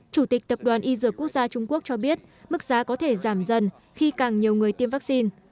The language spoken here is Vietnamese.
chủ tịch tập đoàn y dược quốc gia trung quốc cho biết mức giá có thể giảm dần khi càng nhiều người tiêm vaccine